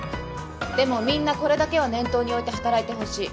でもみんなこれだけは念頭に置いて働いてほしい。